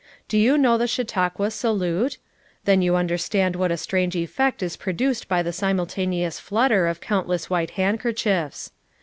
Do you know the Chautauqua salute? Then you un derstand what a strange effect is produced by the simultaneous flutter of countless white 398 FOUR MOTHERS AT CHAUTAUQUA handkerchiefs.